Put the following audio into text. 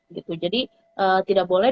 gitu jadi tidak boleh